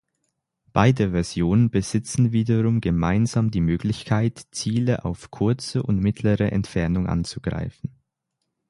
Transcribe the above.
Beide Versionen besitzen wiederum gemeinsam die Möglichkeit, Ziele auf kurze und mittlere Entfernung anzugreifen.